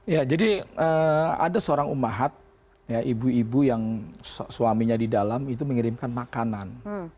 ya jadi ada seorang umahat ibu ibu yang suaminya di dalam itu mengirimkan makanan